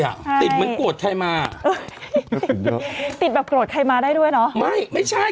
อะติดเหมือนกวดใครมาติดแบบกวดใครมาได้ด้วยเนอะไม่ไม่ใช่